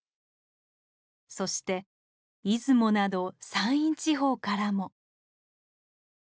そして出雲など山陰地方からも。